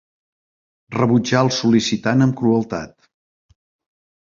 Rebutjà el sol·licitant amb crueltat.